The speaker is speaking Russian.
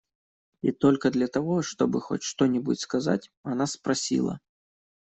И только для того, чтобы хоть что-нибудь сказать, она спросила: